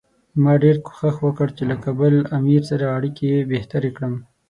ما ډېر کوښښ وکړ چې له کابل امیر سره اړیکې بهترې کړم.